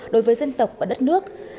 đối với dân tộc và đất nước